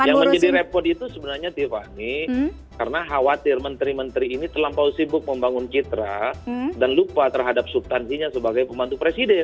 yang menjadi repot itu sebenarnya tiffany karena khawatir menteri menteri ini terlampau sibuk membangun citra dan lupa terhadap subtansinya sebagai pembantu presiden